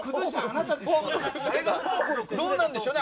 どうなんでしょうね